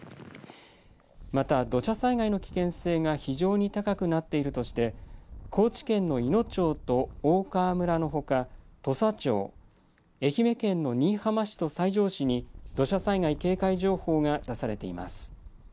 また、土砂災害の危険性が非常に高くなっているとして高知県のいの町と大川村のほか土佐町、愛媛県の新居浜市と西条市に土砂災害警戒情報が出されています。